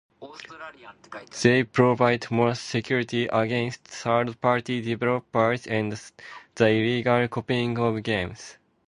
They provided more security against third party developers and the illegal copying of games.